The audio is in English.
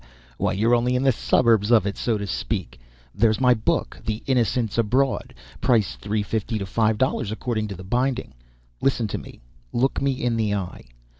Why, you're only in the suburbs of it, so to speak. There's my book, The Innocents Abroad price $3.50 to $5, according to the binding. Listen to me. Look me in the eye.